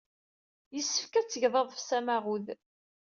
Yessefk ad tgeḍ aḍefs amaɣud.